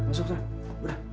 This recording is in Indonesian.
masuk ke sana